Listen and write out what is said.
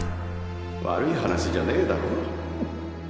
悪い話じゃねぇだろ？